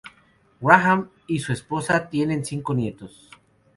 Graham y su esposa tienen cinco nietos.